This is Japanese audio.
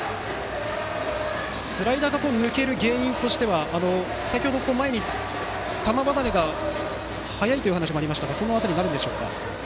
スライダーが抜ける原因としては先程、球離れが早いという話もありましたがその辺りになるでしょうか。